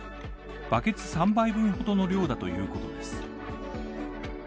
バケツ３杯分ほどの量だということです。